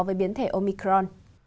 với biến thể omicron